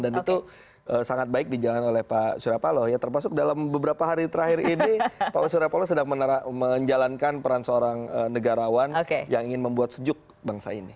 dan itu sangat baik dijalankan oleh pak sudapalo terpasuk dalam beberapa hari terakhir ini pak sudapalo sudah menjalankan peran seorang negarawan yang ingin membuat sejuk bangsa ini